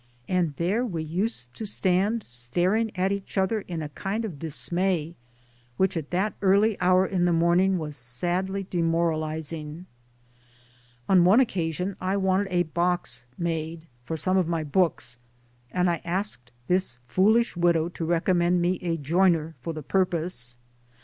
And there we used to stand staring at each other in a kind of dismay which at that early hour in the morning was sadly demoralizing ! On one occa sion I wanted a box made for some of my books and I asked this foolish widow to recommend me a joiner for the purpose.